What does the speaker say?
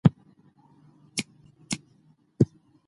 د انسان په بدن کښي درې سوه او شپېته بندونه دي